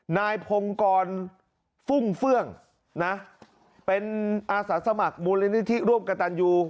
นายพงกรฟุ่งเฟื่องนะเป็นอาสาสมัครมูลนิธิร่วมกับตันยู